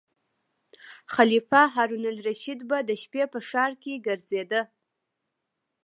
خلیفه هارون الرشید به د شپې په ښار کې ګرځیده.